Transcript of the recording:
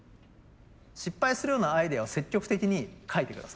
失敗するようなアイデアを積極的にかいて下さい。